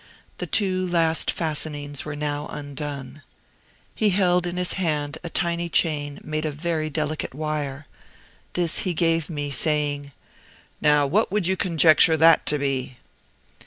The two last fastenings were now undone. He held in his hand a tiny chain made of very delicate wire. This he gave me, saying: "Now what would you conjecture that to be?"